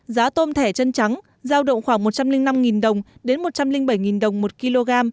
giá tôm thẻ chân trắng giao động khoảng một trăm linh năm đồng đến một trăm linh bảy đồng một kg